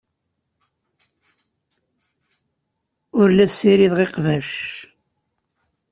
Ur la ssirideɣ iqbac.